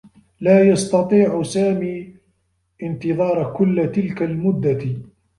لا يستطيع سامي انتظار كلّ تلك المدّة.